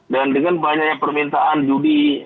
dan dengan banyaknya permintaan judi